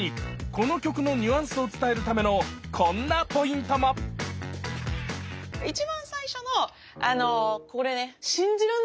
この曲のニュアンスを伝えるためのこんなポイントも一番最初のあのこれね信じらんないぐらいこれ引きます。